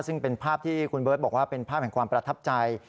ซึ่งเป็นภาพที่คุณเบิร์ตบอกว่าเป็นภาพแห่งความประทับใจ